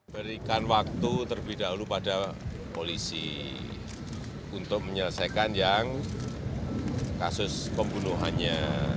berikan waktu terlebih dahulu pada polisi untuk menyelesaikan yang kasus pembunuhannya